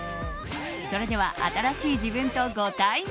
それでは新しい自分とご対面！